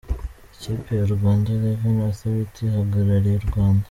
Ikipe ya Rwanda Revenue Authority ihagarariye u Rwanda.